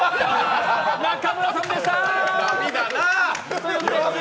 中村さんでしたー！